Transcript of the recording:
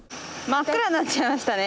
真っ暗になっちゃいましたね。